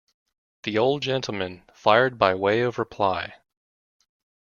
The old gentleman fired by way of reply.